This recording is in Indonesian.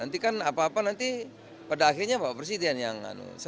jadi pada akhirnya pak presiden yang